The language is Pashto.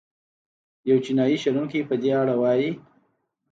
یو چینايي شنونکی په دې اړه وايي.